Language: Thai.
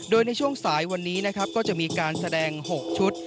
โดยในช่วงสายวันนี้นะครับก็จะมีการแสดง๖ชุด